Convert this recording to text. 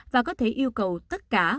và có thể yêu cầu tất cả